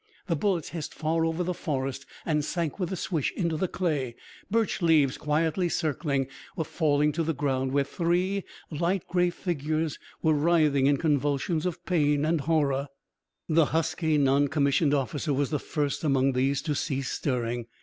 The bullets hissed far over the forest and sank with a swish into the clay; birch leaves, quietly circling, were falling to the ground where three light grey figures were writhing in convulsions of pain and horror. The husky non commissioned officer was the first among these to cease stirring.